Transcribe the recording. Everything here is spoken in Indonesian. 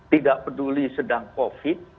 tidak peduli sedang covid